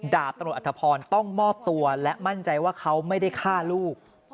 ดาบตำรวจอัฐพรต้องมอบตัวและมั่นใจว่าเขาไม่ได้ฆ่าลูก